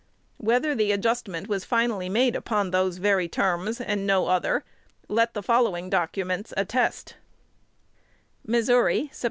Whether the adjustment was finally made upon these very terms, and no other, let the following documents attest: Missouri, Sept.